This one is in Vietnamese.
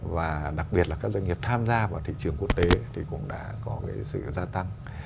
và đặc biệt là các doanh nghiệp tham gia vào thị trường quốc tế thì cũng đã có sự gia tăng